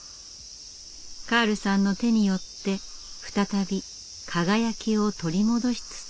カールさんの手によって再び輝きを取り戻しつつありました。